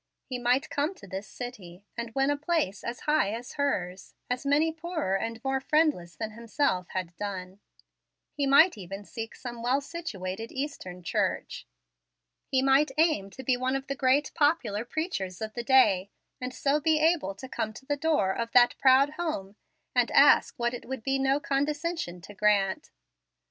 He might come to this city, and win a place as high as hers, as many poorer and more friendless than himself had done. He might even seek some well situated Eastern church. He might aim to be one of the great popular preachers of the day; and so be able to come to the door of that proud home and ask what it would be no condescension to grant.